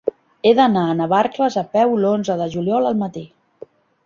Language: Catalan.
He d'anar a Navarcles a peu l'onze de juliol al matí.